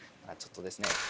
ちょっとですね